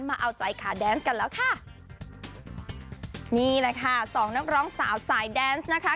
มาเอาใจขาแดนซ์กันแล้วค่ะนี่แหละค่ะสองนักร้องสาวสายแดนส์นะคะ